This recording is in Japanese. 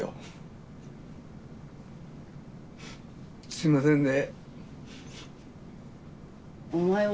すいませんね。